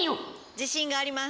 自信があります。